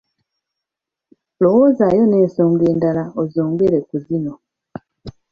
Lowoozaayo n'ensonga endala ozongere ku zino.